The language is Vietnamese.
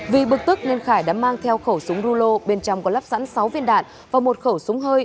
vì bực tức nguyễn khải đã mang theo khẩu súng rưu lô bên trong có lắp sẵn sáu viên đạn và một khẩu súng hơi